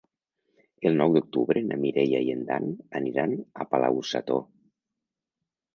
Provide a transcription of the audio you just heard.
El nou d'octubre na Mireia i en Dan aniran a Palau-sator.